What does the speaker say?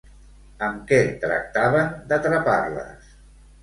Amb què tractaven d'atrapar-les?